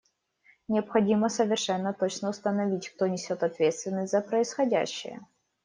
Необходимо совершенно точно установить, кто несет ответственность за происходящее.